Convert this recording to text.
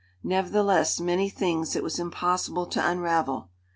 Nevertheless, many things it was impossible to unravel.